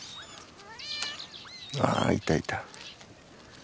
ああいたいた。